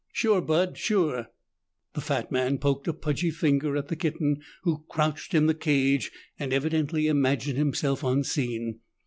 "Sure, bud, sure." The fat man poked a pudgy finger at the kitten, who crouched in the cage and evidently imagined himself unseen.